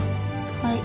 はい。